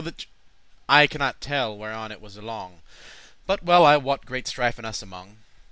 * *so may I thrive* I cannot tell whereon it was along, But well I wot great strife is us among."